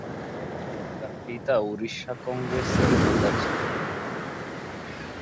তার পিতা উড়িষ্যা কংগ্রেসের নেতা ছিলেন।